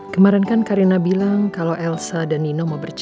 kemarin kan karina bilang kalau elsa dan nino mau berbicara